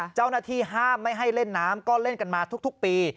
เจ้าหน้าที่ห้ามไม่ให้เล่นน้ำก็เล่นกันมาทุกปี